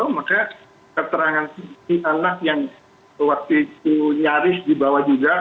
maka keterangan yang waktu itu nyaris dibawa juga